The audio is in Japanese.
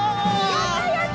やったやった！